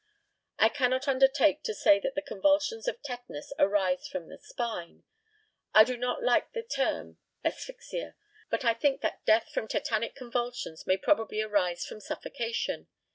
I cannot undertake to say that the convulsions of tetanus arise from the spine. I do not like the term "asphyxia;" but I think that death from tetanic convulsions may probably arise from suffocation.